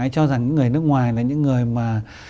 cho rằng người nước ngoài là những người mà